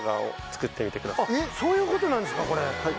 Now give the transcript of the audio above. そういうことなんですかこれ。